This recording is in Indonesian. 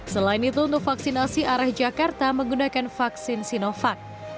selain itu untuk vaksinasi arah jakarta menggunakan vaksin sinovac